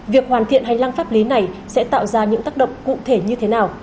việc hoàn thiện hành lang pháp lý này sẽ tạo ra những tác động cụ thể như thế nào